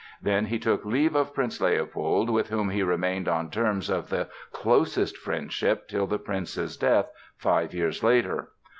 Then he took leave of Prince Leopold, with whom he remained on terms of the closest friendship till the prince's death five years later.